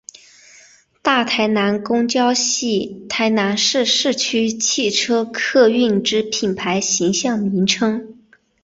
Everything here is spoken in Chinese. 大台南公车系台南市市区汽车客运之品牌形象名称。